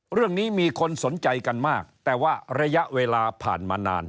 เรื่องนี้มีคนสนใจกันมากแต่ว่าระยะเวลาผ่านมานาน